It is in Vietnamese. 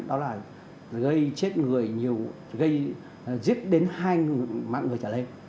đó là gây chết người nhiều gây giết đến hai mạng người trả lệ